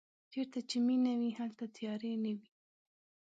چېرته چې مینه وي هلته تیارې نه وي.